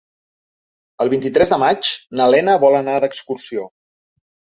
El vint-i-tres de maig na Lena vol anar d'excursió.